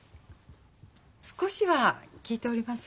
少しは聞いております